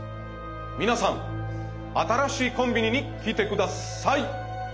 みなさん新しいコンビニに来て下さい。